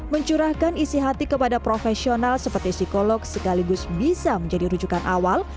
mencurahkan isi hati kepada profesional seperti psikolog sekaligus bisa menjadi rujukan awal